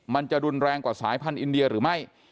มันจะรุนแรงกว่าสายพันธุอินเดียหรือไม่